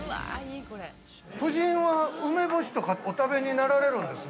◆夫人は梅干しとかお食べになられるんですね？